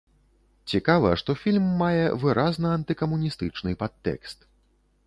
Цікава, што фільм мае выразна антыкамуністычны падтэкст.